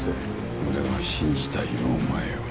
俺は信じたいよお前を。